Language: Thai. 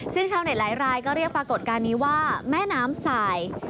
ซึ่งชาวเน็ตหลายรายก็เรียกปรากฏการณ์นี้ว่าแม่น้ำสาย